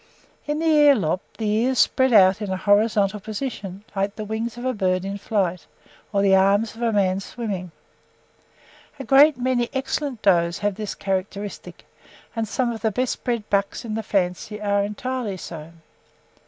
In the ear lop, the ears spread out in an horizontal position, like the wings of a bird in flight, or the arms of a man swimming. A great many excellent does have this characteristic, and some of the best bred bucks in the fancy are entirely so.